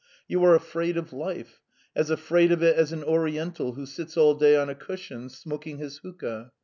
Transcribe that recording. You are afraid of life as afraid of it as an Oriental who sits all day on a cushion smoking his hookah.